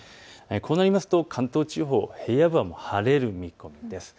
こうなりますと関東地方平野部は晴れる見込みです。